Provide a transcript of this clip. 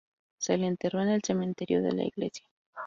Se la enterró en el cementerio de la iglesia.